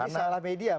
jadi salah media